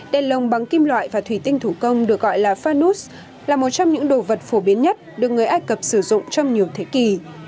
đèn lồng bằng kim loại và thủy tinh thủ công được gọi là fanus là một trong những đồ vật phổ biến nhất được người ai cập sử dụng trong nhiều thế kỷ